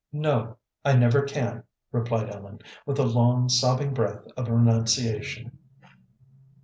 "No, I never can," replied Ellen, with a long, sobbing breath of renunciation.